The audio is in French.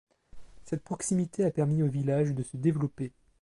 Cette proximité a permis au village de se développer.